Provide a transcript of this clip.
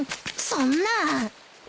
そんな。